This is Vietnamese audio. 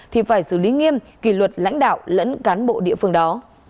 thì phải xử lý nghiêm kỳ luật lãnh đạo lẫn cán bộ địa phương đó